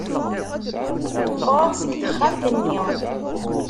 Ffɣeɣ seg texxamt-nni.